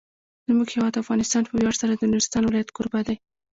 زموږ هیواد افغانستان په ویاړ سره د نورستان ولایت کوربه دی.